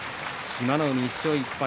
志摩ノ海、１勝１敗。